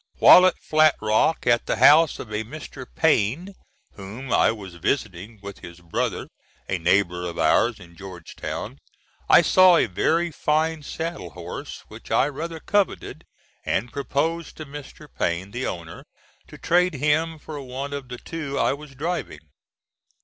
While at Flat Rock, at the house of a Mr. Payne, whom I was visiting with his brother, a neighbor of ours in Georgetown, I saw a very fine saddle horse, which I rather coveted, and proposed to Mr. Payne, the owner, to trade him for one of the two I was driving.